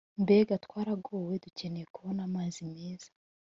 mbega twaragowe dukeneye kubona amazi meza